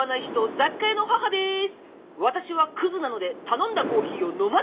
雑貨屋の母です！